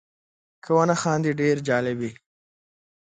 که ونه خاندې ډېر جالب یې .